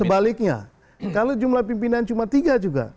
sebaliknya kalau jumlah pimpinan cuma tiga juga